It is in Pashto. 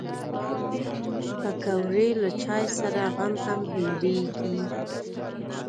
پکورې له چای سره غم هم هېرېږي